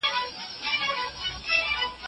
د ميرمني خادم بايد پر شرطونو برابر وي.